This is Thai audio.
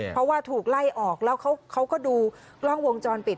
เพราะว่าถูกไล่ออกแล้วเขาก็ดูกล้องวงจรปิด